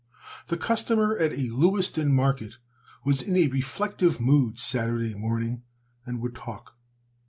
The customer at a Lewiston market was in a reflective mood Saturday morning and would talk.